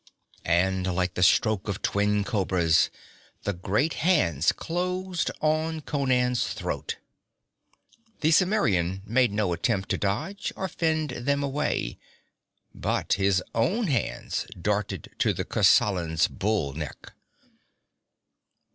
And like the stroke of twin cobras, the great hands closed on Conan's throat. The Cimmerian made no attempt to dodge or fend them away, but his own hands darted to the Kosalan's bull neck.